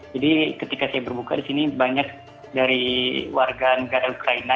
jadi ketika saya berbuka di sini banyak dari warga negara ukraina